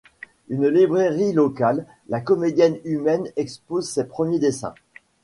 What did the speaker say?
Une librairie locale, La Comédie humaine, expose ses premiers dessins.